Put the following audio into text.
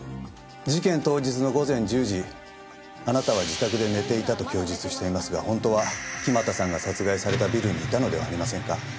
事件当日の午前１０時あなたは自宅で寝ていたと供述していますが本当は木俣さんが殺害されたビルにいたのではありませんか？